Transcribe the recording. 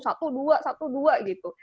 satu dua satu dua gitu